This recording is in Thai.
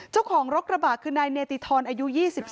เจ้าของรถกระบะคือนายเนติธรอายุ๒๒